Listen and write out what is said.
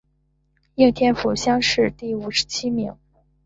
应天府乡试第五十七名。